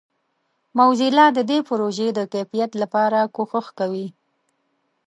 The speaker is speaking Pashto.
موزیلا د دې پروژې د کیفیت لپاره کوښښ کوي.